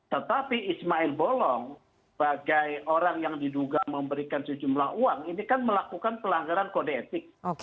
tetapi ismail bolong bagai orang yang diduga memberikan sejumlah uang ini kan melakukan pelanggaran kode etik